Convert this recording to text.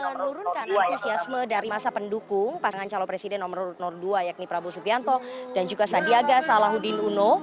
menurunkan antusiasme dari masa pendukung pasangan calon presiden nomor dua yakni prabowo subianto dan juga sandiaga salahuddin uno